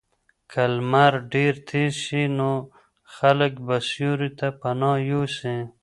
که لمر ډېر تېز شي نو خلک به سیوري ته پناه یوسي.